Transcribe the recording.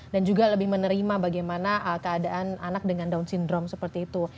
dan juga lebih menerima bagaimana keadaan anak dengan down syndrome seperti itu